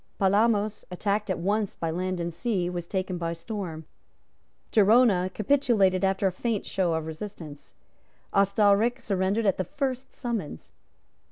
Palamos, attacked at once by land and sea, was taken by storm. Gerona capitulated after a faint show of resistance. Ostalric surrendered at the first summons.